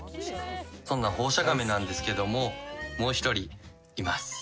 そんなホウシャガメなんですけどももう１人います。